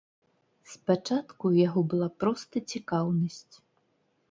Спачатку ў яго была проста цікаўнасць.